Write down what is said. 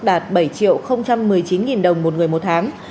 đạt bảy một mươi chín đồng một người một tháng